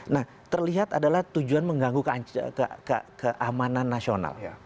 nah terlihat adalah tujuan mengganggu keamanan nasional